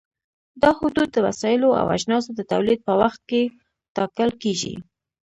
دا حدود د وسایلو او اجناسو د تولید په وخت کې ټاکل کېږي.